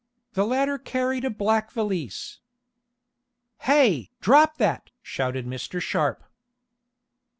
The latter carried a black valise. "Hey! Drop that!" shouted Mr. Sharp.